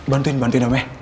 bantuin bantuin om ya